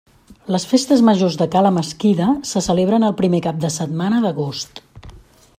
Les festes majors de Cala Mesquida se celebren el primer cap de setmana d'agost.